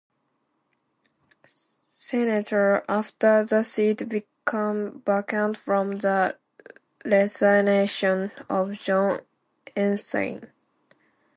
Senator, after the seat become vacant from the resignation of John Ensign.